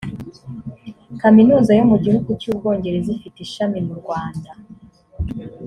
kaminuza yo mu gihugu cy’ubwongereza ifite ishami mu rwanda